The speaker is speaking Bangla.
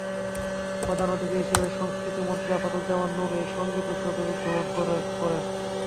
প্রধান অতিথি হিসেবে সংস্কৃতিমন্ত্রী আসাদুজ্জামান নূর এই সংগীত উৎসবের উদ্বোধন করেন।